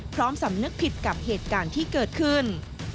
พร้อมสำนึกผิดกับเหตุการณ์ที่เกิดขึ้น